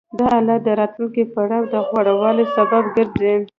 دا حالت د راتلونکي پړاو د غوره والي سبب ګرځي